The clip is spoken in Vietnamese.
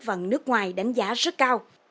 và nước ngoài đánh giá rất cao